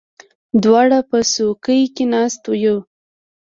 دواړه په څوکۍ کې ناست یو.